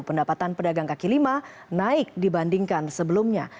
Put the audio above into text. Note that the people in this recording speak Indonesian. pendapatan pedagang kaki lima naik dibandingkan sebelumnya